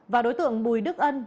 và đối tượng bùi đức ân